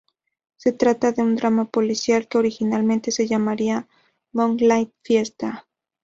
Se trata de un drama policial que originalmente se llamaría "Moonlight Fiesta".